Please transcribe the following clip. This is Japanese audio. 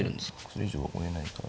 それ以上は追えないから。